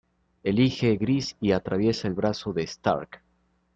Elige gris y atraviesa el brazo de Stark.